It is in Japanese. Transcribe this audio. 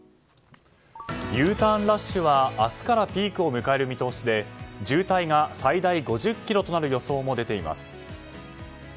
Ｕターンラッシュは明日からピークを迎える見通しで渋滞が最大５０ｋｍとなる予想も出ています。